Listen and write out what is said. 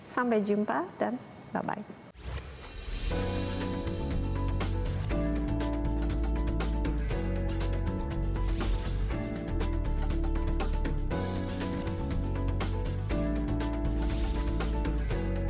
sampai jumpa dan bye bye